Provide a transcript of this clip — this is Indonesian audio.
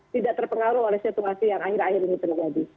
tidak terpengaruh oleh situasi yang akhir akhir ini terjadi